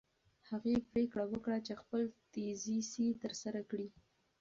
هغې پرېکړه وکړه چې خپل تیزیس ترسره کړي.